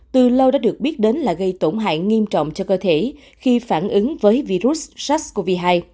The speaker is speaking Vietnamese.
từ lâu đã được biết đến là gây tổn hại nghiêm trọng cho cơ thể khi phản ứng với virus sars cov hai